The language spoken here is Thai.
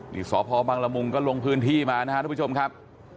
นี่สพบังละมุงก็ลงพื้นที่มานะครับทุกผู้ชมครับ